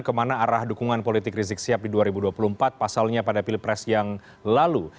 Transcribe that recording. kemana arah dukungan politik rizik sihab di dua ribu dua puluh empat pasalnya pada pilpres yang lalu